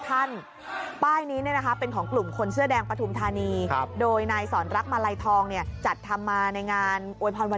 ใช่ค่ะก็เขียนข้อความนี้แหละว่า